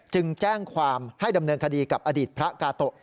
จึงแจ้งความให้ดำเนินคดีกับอดีตพระกาโตะ